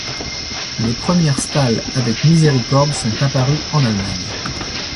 Les premières stalles avec miséricorde sont apparues en Allemagne.